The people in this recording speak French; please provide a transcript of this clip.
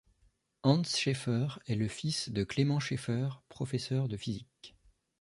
Hans Schaefer est le fils de Clement Schaefer, professeur de physique.